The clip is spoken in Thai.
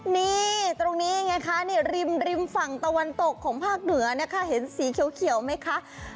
นี่ตรงนี้ไงคะนี่ริมริมฝั่งตะวันตกของภาคเหนือนะคะเห็นสีเขียวไหมคะ